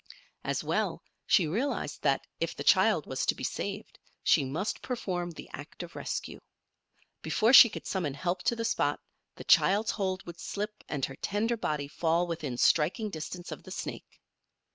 As well, she realized that, if the child was to be saved, she must perform the act of rescue. Before she could summon help to the spot the child's hold would slip and her tender body fall within striking distance of the snake.